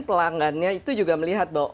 pelanggannya itu juga melihat bahwa